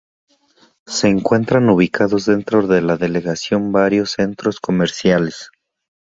Se encuentran ubicados dentro de la delegación varios centros comerciales.